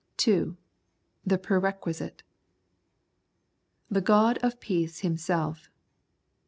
2. The Pre Requisite. "The God of Peace Himself."